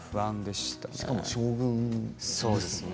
しかも将軍ですよね。